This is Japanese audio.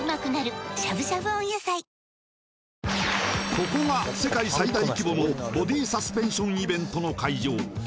ここが世界最大規模のボディサスペンションイベントの会場